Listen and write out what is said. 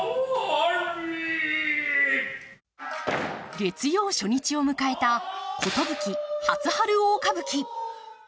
月曜、初日を迎えた「壽初春大歌舞伎」。